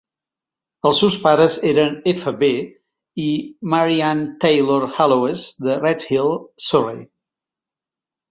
Els seus pares eren F. B. i Mary Ann Taylor Hallowes, de Redhill, Surrey.